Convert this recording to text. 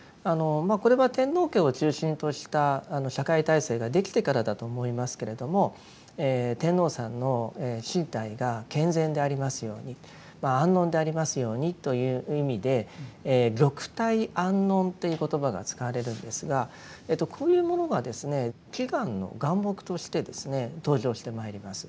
これは天皇家を中心とした社会体制ができてからだと思いますけれども天皇さんの身体が健全でありますように安穏でありますようにという意味で「玉体安穏」という言葉が使われるんですがこういうものがですね祈願の願目として登場してまいります。